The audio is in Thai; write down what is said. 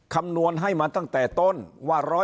คำนวณให้มาตั้งแต่ต้นว่า